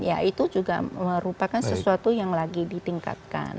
ya itu juga merupakan sesuatu yang lagi ditingkatkan